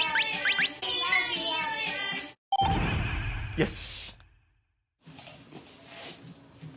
よし！